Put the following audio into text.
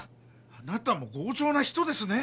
あなたも強情な人ですね！